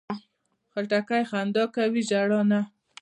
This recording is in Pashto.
خټکی خندا کوي، ژړا نه.